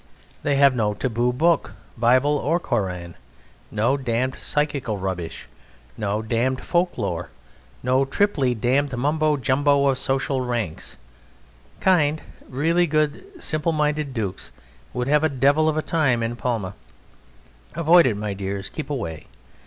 They have no taboo book, Bible or Koran, no damned psychical rubbish, no damned "folk lore," no triply damned mumbo jumbo of social ranks; kind, really good, simple minded dukes would have a devil of a time in Palma. Avoid it, my dears, keep away.